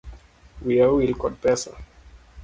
Wiya owil kod pesa.